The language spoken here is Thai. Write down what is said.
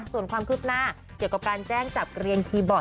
ส่วนความคืบหน้าเกี่ยวกับการแจ้งจับเกลียนคีย์บอร์ด